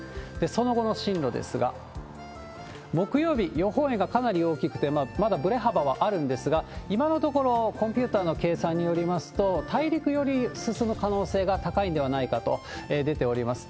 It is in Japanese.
その後の進路ですが、木曜日、予報円がかなり大きくて、まだぶれ幅はあるんですが、今のところ、コンピューターの計算によりますと、大陸寄りに進む可能性が高いんではないかと出ております。